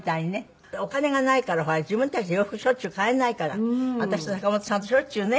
お金がないからほら自分たちで洋服しょっちゅう買えないから私と坂本さんとしょっちゅうね。